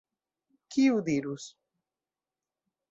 Kiu dirus?